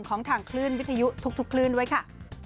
ของทางคลื่นวิทยุทุกคลื่นด้วยค่ะ